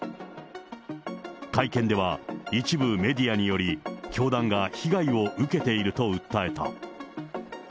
会見では、一部メディアにより、教団が被害を受けていると訴えた。